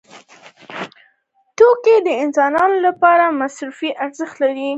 توکي د انسان لپاره مصرفي ارزښت لري.